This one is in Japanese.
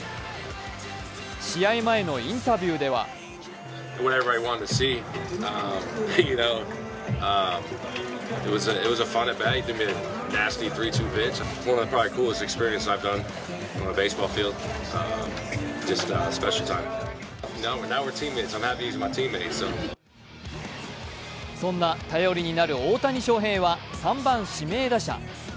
試合前のインタビューではそんな頼りになる大谷翔平は３番・指名打者。